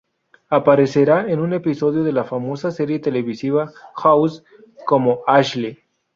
Aparecerá en un episodio de la famosa serie televisiva House, como Ashley.